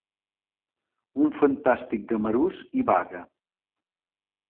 Un fantàstic gamarús hi vaga.